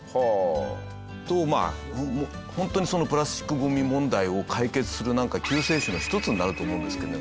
とまあホントにプラスチックごみ問題を解決するなんか救世主の１つになると思うんですけど。